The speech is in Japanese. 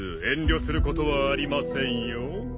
遠慮することはありませんよ。